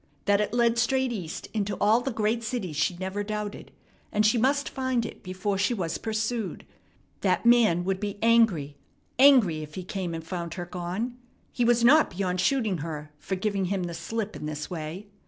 That it led straight east into all the great cities she never doubted, and she must find it before she was pursued. That man would be angry, angry if he came and found her gone! He was not beyond shooting her for giving him the slip in this way.